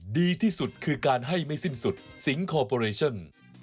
ดีที่สุดคือการให้ไม่สิ้นสุดสิงคอร์ปอเรชั่น